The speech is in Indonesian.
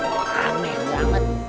wah aneh banget